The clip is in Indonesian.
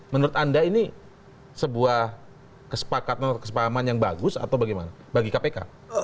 menurut anda ini sebuah kesepakatan atau kesepahaman yang bagus atau bagaimana bagi kpk